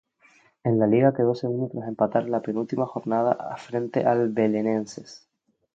En la liga quedó segundo tras empatar en la penúltima jornada frente al Belenenses.